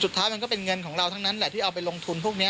สุดท้ายมันก็เป็นเงินของเราทั้งนั้นที่เอาไปลงทุนพวกนี้